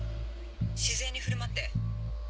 自然に振る舞って。